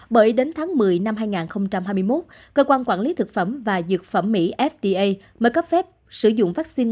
bởi đến tháng một mươi năm hai nghìn hai mươi một cơ quan quản lý thực phẩm và dược phẩm mỹ fda mới cấp phép sử dụng vaccine